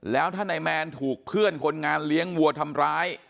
แล้วถ้านายแมนถูกเพื่อนคนงานเลี้ยงวัวทำร้าย